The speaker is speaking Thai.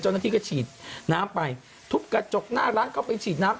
เจ้าหน้าที่ก็ฉีดน้ำไปทุบกระจกหน้าร้านเข้าไปฉีดน้ำ